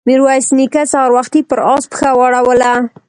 ميرويس نيکه سهار وختي پر آس پښه واړوله.